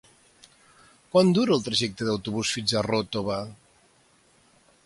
Quant dura el trajecte en autobús fins a Ròtova?